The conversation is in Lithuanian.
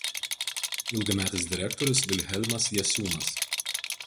Ilgametis direktorius Vilhelmas Jasiūnas.